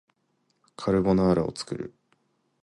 カルボナーラを作る